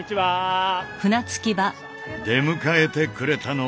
出迎えてくれたのは。